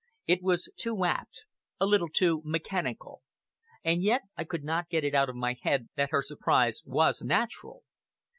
It was too apt a little too mechanical. And yet I could not get it out of my head that her surprise was natural.